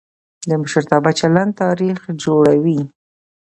د مشرتابه چلند تاریخ جوړوي